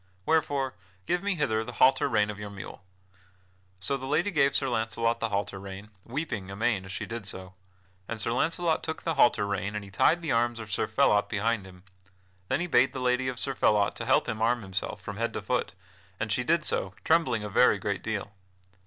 Wherefore give me hither the halter rein of your mule." So the lady gave Sir Launcelot the halter rein, weeping amain as she did so. And Sir Launcelot took the halter rein and he tied the arms of Sir Phelot behind him. Then he bade the lady of Sir Phelot to help him arm himself from head to foot, and she did so, trembling a very great deal.